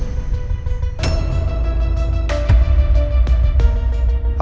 kamu harus selesaikan kesempatan